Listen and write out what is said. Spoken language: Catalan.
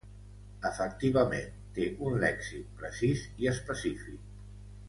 Efectivament, té un lèxic precís i específic.